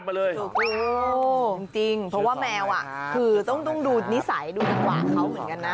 ถูกจริงเพราะว่าแมวคือต้องดูนิสัยดูจังหวะเขาเหมือนกันนะ